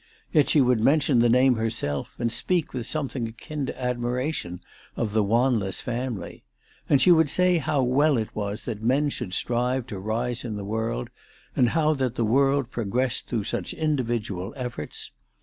Yet she would mention the name herself, and speak with something akin to admiration of the Wanless family. And she would say how well it was that men should strive to rise in the world, and how that the world progressed through such individual efforts.